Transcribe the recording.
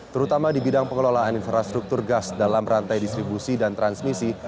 terutama di bidang pengelolaan infrastruktur gas dalam rantai distribusi dan transmisi